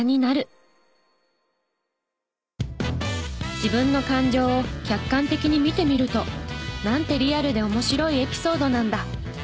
自分の感情を客観的に見てみるとなんてリアルで面白いエピソードなんだ。